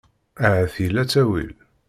Ahat yella ttawil.